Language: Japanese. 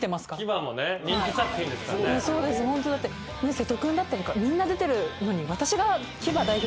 瀬戸君だったりみんな出てるのに。